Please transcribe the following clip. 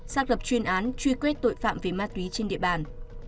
xác lập chuyên án truy quét tội phạm về ma túy trên địa bàn